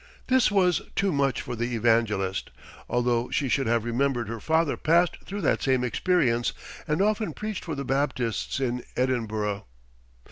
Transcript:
This was too much for the evangelist, although she should have remembered her father passed through that same experience and often preached for the Baptists in Edinburgh.